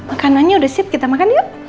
makanannya udah seat kita makan yuk